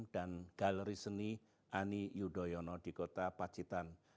dan galeri seni ani yudhoyono di kota pacitan